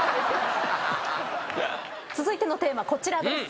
続いてのテーマこちらです。